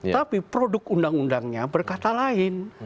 tapi produk undang undangnya berkata lain